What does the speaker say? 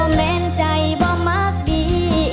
บ่แม่นใจบ่มากดี